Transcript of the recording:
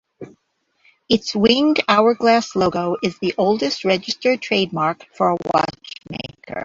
Its winged hourglass logo is the oldest registered trademark for a watchmaker.